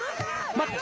待って！